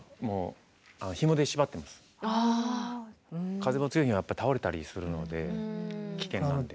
風の強い日にはやっぱ倒れたりするので危険なんで。